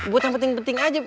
buat yang penting penting aja